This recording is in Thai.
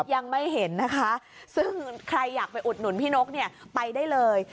ยังไม่เห็นนะคะซึ่งใครอยากไปอุดหนุนพี่นกเนี่ยไปได้เลย